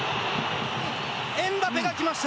エムバペが来ました。